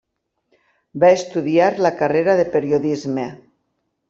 Va estudiar la carrera de periodisme.